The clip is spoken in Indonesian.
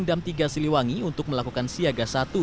dari kabupaten dan kota